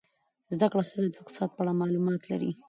زده کړه ښځه د اقتصاد په اړه معلومات لري.